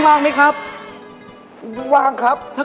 ไม่มีอะไรของเราเล่าส่วนฟังครับพี่